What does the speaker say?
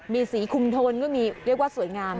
มีสีคุมโทนให้มีสวยงาม